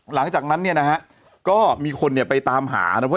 หลังจากนั้นก็มีคนไปตามหาเพราะว่า